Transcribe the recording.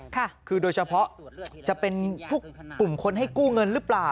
ค่ะคือโดยเฉพาะจะเป็นพวกกลุ่มคนให้กู้เงินหรือเปล่า